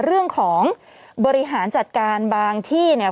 เรื่องของบริหารจัดการบางที่เนี่ย